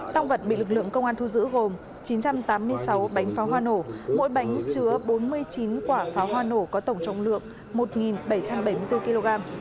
tăng vật bị lực lượng công an thu giữ gồm chín trăm tám mươi sáu bánh pháo hoa nổ mỗi bánh chứa bốn mươi chín quả pháo hoa nổ có tổng trọng lượng một bảy trăm bảy mươi bốn kg